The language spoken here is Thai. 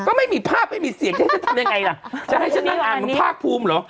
ก็ไม่มีภาพไม่มีเสียงจะให้ฉันทำยังไงล่ะจะให้ฉันนั้นอ่านมันภาคภูมิหรอ